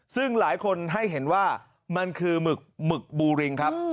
ซึ่งหลายคนให้เห็นว่ามันคือหมึกหมึกบูริงครับ